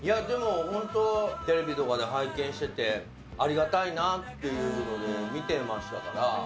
でもホントテレビとかで拝見しててありがたいなっていうので見てましたから。